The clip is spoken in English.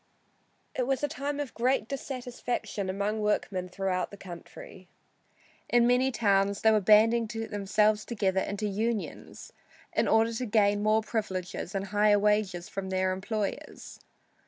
It was a time of great dissatisfaction among workmen throughout the country. In many towns they were banding themselves together into "unions" in order to gain more privileges and higher wages from their employers.